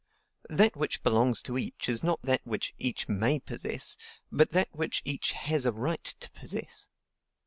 That which belongs to each is not that which each MAY possess, but that which each HAS A RIGHT to possess.